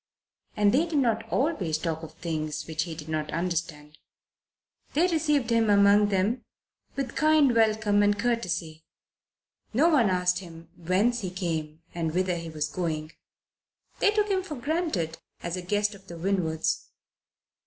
And they did not always talk of things which he did not understand. They received him among them with kind welcome and courtesy. No one asked him whence he came and whither he was going. They took him for granted, as a guest of the Winwoods.